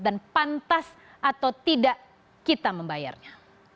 dan pantas atau tidak kita membayarnya